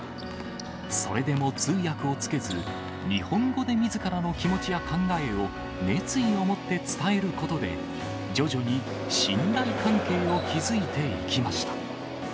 それでも通訳をつけず、日本語でみずからの気持ちや考えを、熱意をもって伝えることで、徐々に信頼関係を築いていきました。